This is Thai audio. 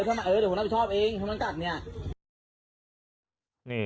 เออเดี๋ยวหัวหน้าผิดชอบเองถ้ามันกัดเนี่ย